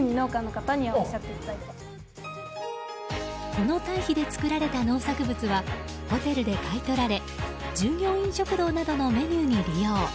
このたい肥で作られた農作物はホテルで買い取られ従業員食堂などのメニューに利用。